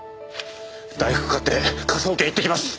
大福買って科捜研行ってきます。